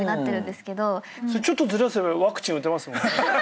それちょっとずらせばワクチン打てますもんね。